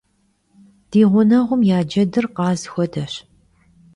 Di ğuneğum ya cedır khaz xuedeş.